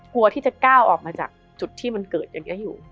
กลัวที่จะก้าวออกมาจากจุดที่มันเกิดอย่างนี้อยู่